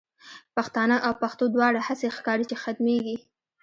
پښتانه او پښتو دواړه، هسی ښکاری چی ختمیږی